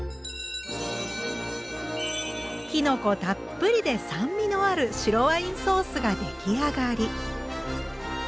きのこたっぷりで酸味のある白ワインソースが出来上がり。